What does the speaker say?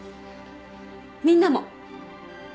みんなも。